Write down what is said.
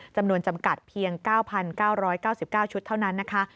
จำกัดเพียง๙๙๙๙ชุดเท่านั้นนะคะ